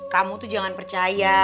kamu tuh jangan percaya